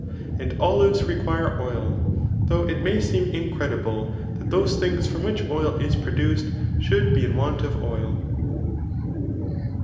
And oHres require oil ; though it may seem incredible, that those things from which oil is produced, should be in want of oil.